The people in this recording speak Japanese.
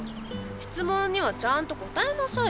質問にはちゃんと答えなさいよ。